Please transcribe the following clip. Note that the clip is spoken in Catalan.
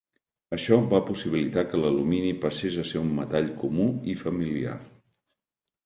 Això va possibilitar que l'alumini passés a ser un metall comú i familiar.